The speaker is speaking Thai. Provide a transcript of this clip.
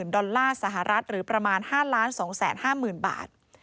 ๑๕๐๐๐๐๐ดอลลาร์สหรัฐหรือประมาณ๕๒๕๐๐๐๐บาท